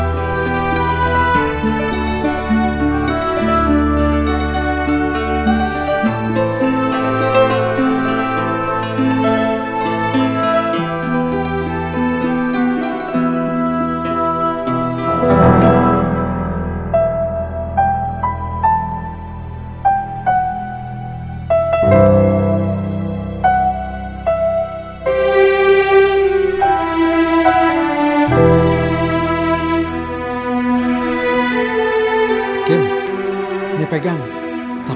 tidak ada yang mengganggu